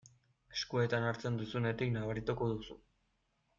Eskuetan hartzen duzunetik nabarituko duzu.